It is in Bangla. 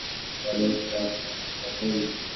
আমাদের কি আত্মসম্মান নেই?